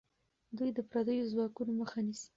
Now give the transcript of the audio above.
دوی د پردیو ځواکونو مخه نیسي.